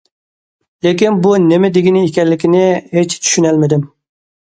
لېكىن بۇ نېمە دېگىنى ئىكەنلىكىنى ھېچ چۈشىنەلمىدىم.